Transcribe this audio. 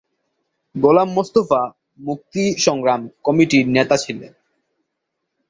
গোলাম মোস্তফা মুক্তি সংগ্রাম কমিটির নেতা ছিলেন।